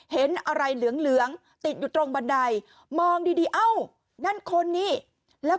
เห็นอะไรเหลืองเหลืองติดอยู่ตรงบันไดมองดีดีเอ้านั่นคนนี้แล้ว